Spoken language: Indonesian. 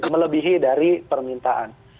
melebihi dari permintaan